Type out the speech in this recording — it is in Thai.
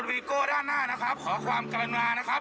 วีโก้ด้านหน้านะครับขอความกรุณานะครับ